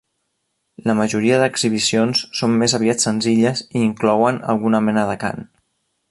La majoria d'exhibicions són més aviat senzilles i inclouen alguna mena de cant.